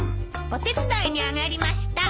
お手伝いに上がりました。